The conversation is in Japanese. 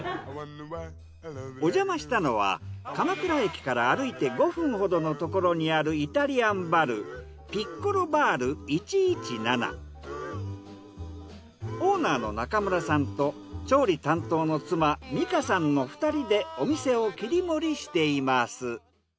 おじゃましたのは鎌倉駅から歩いて５分ほどのところにあるイタリアンバルオーナーの中村さんと調理担当の妻美香さんの２人でお店を切り盛りしています。